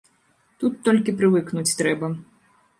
Тут толькі прывыкнуць трэба.